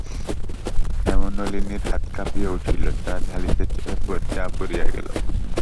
হেমনলিনীর হাত কাঁপিয়া উঠিল, চা ঢালিতে চা পড়িয়া গেল।